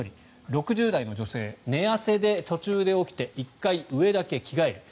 ６０代の女性寝汗で途中で起きて１回上だけ着替える。